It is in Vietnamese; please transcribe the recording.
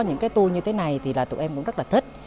những cái tour như thế này thì là tụi em cũng rất là thích